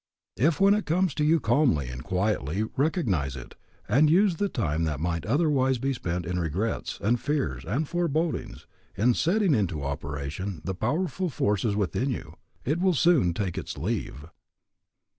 If when it comes you calmly and quietly recognize it, and use the time that might otherwise be spent in regrets, and fears, and forebodings, in setting into operation the powerful forces within you, it will soon take its leave.